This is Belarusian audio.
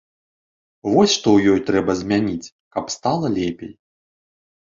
Вось што ў ёй трэба змяніць, каб стала лепей.